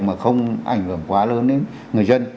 mà không ảnh hưởng quá lớn đến người dân